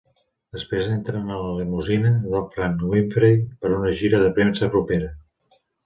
Després entren a la limusina d'Oprah Winfrey per a una gira de premsa propera.